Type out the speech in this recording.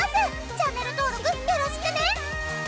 チャンネル登録よろしくね！